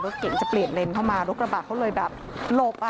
เก่งจะเปลี่ยนเลนเข้ามารถกระบะเขาเลยแบบหลบอ่ะ